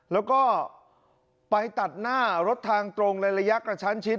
แล้วก็ไปตัดหน้ารถทางตรงในระยะกระชั้นชิด